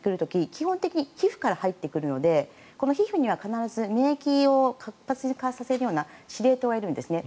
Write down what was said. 基本的に皮膚から入ってくるので皮膚には必ず免疫を活発化させるような司令塔がいるんですね。